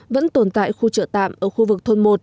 vẫn tồn tại khu chợ tạm ở khu vực thôn một